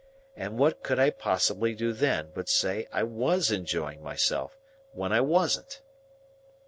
And what could I possibly do then, but say I was enjoying myself,—when I wasn't!